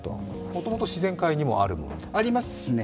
もともと自然界にもあるものですか？